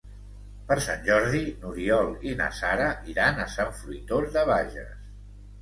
Per Sant Jordi n'Oriol i na Sara iran a Sant Fruitós de Bages.